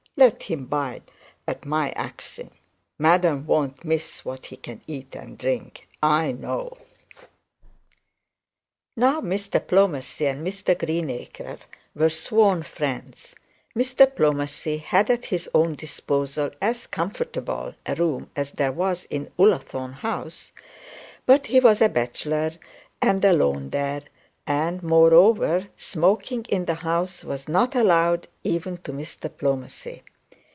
Let him bide at my axing. Madam won't miss what he can eat and drink, I know.' Now Mr Plomacy and Mr Greenacre were sworn friends. Mr Plomacy had at his own disposal as comfortable a room as there was in Ullathorne House; but he was a bachelor, and alone there; and, moreover, smoking in the house was not allowed even to Mr Plomacy.